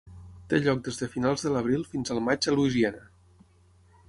Té lloc des de finals de l'abril fins al maig a Louisiana.